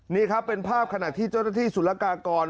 นี่ครับเป็นภาพขณะที่เจ้าหน้าที่สุรกากร